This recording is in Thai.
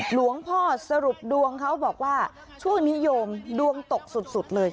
หลวงพ่อสรุปดวงเขาบอกว่าช่วงนี้โยมดวงตกสุดเลย